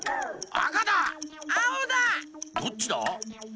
どっちだ？